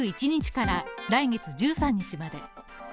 ２１日から来月１３日まで。